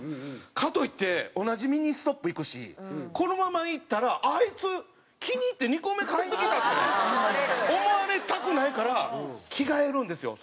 かといって同じミニストップ行くしこのまま行ったらあいつ気に入って２個目買いに来たって思われたくないから着替えるんですよ。